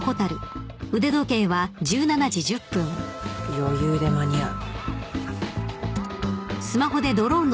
余裕で間に合う。